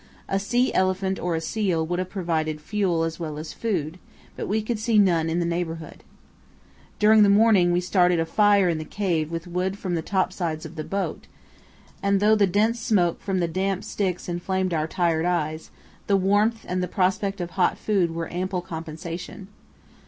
A sea elephant or a seal would have provided fuel as well as food, but we could see none in the neighbourhood. During the morning we started a fire in the cave with wood from the top sides of the boat, and though the dense smoke from the damp sticks inflamed our tired eyes, the warmth and the prospect of hot food were ample compensation.